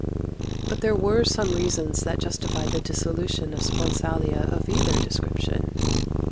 But there were some reasons that justified the dissolution of sponsalia of either description.